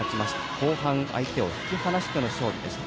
後半、相手を引き離しての勝利でした。